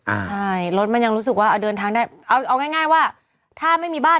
อ่าใช่รถมันยังรู้สึกว่าเอาเดินทางได้เอาเอาง่ายง่ายว่าถ้าไม่มีบ้าน